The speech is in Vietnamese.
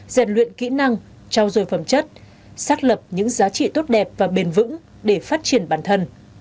dàn luyện kỹ năng trao dồi phẩm chất xác lập những giá trị tốt đẹp và bền vững để phát triển bản thân